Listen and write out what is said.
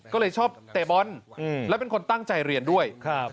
ก็เลยชอบเตะบอลและเป็นคนตั้งใจเรียนด้วยครับ